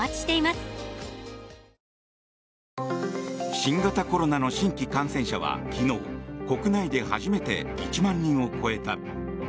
新型コロナの新規感染者は昨日、国内で初めて１万人を超えた。